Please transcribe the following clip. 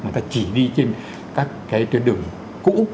mà chúng ta chỉ đi trên các cái tuyến đường cũ